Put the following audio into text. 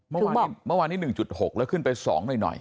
เมื่อวานนี้๑๖แล้วขึ้นไป๒หน่อย